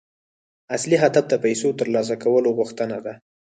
اصلي هدف د پيسو ترلاسه کولو غوښتنه ده.